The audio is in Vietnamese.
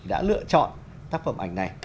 đã lựa chọn tác phẩm ảnh này